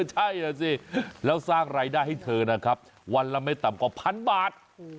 ใช่ล่ะสิแล้วสร้างรายได้ให้เธอนะครับวันละไม่ต่ำกว่าพันบาท